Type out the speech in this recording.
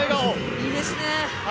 いいですね。